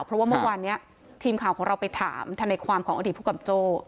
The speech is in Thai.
เพราะว่าเมื่อวานนี้ทีมข่าวของเราไปถามธนายความของอดีตผู้กำกับโจ้